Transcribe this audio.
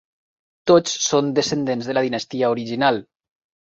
Tots són descendents de la dinastia original.